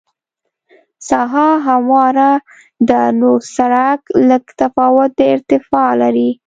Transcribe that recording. ساحه همواره ده نو سرک لږ تفاوت د ارتفاع لري